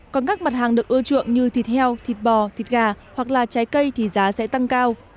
còn các mặt hàng được ưa chuộng như thịt heo thịt bò thịt gà hoặc là trái cây thì giá sẽ tăng cao